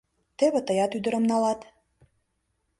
Теве тыят ӱдырым налат.